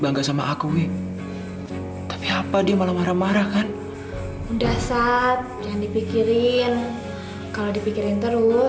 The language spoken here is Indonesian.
hati aku ini masih terasa sakit